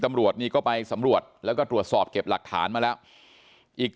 ตำรวจนี่ก็ไปสำรวจแล้วก็ตรวจสอบเก็บหลักฐานมาแล้วอีก